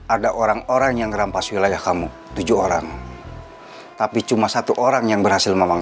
ada orang orang yang rampas wilayah kamu tujuh orang tapi cuma satu orang yang berhasil memang